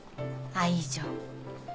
愛情？